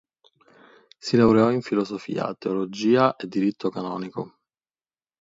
Si laureò in Filosofia, Teologia e Diritto Canonico.